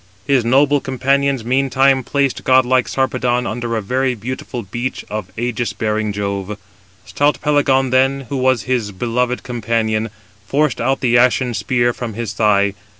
His noble companions meantime placed godlike Sarpedon under a very beautiful beech of ægis bearing Jove. Stout Pelagon then, who was his beloved companion, forced out the ashen spear from his thigh.